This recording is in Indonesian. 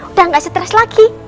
udah gak stres lagi